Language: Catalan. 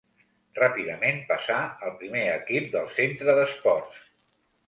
Ràpidament passà al primer equip del Centre d'Esports.